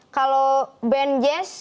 kalau band jazz